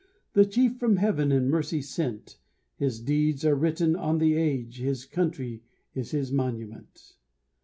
The chief from heaven in mercy sent; His deeds are written on the age His country is his monument.